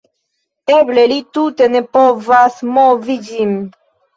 Eble li tute ne povas movi ĝin